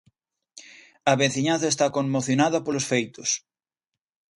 A veciñanza está conmocionada polos feitos.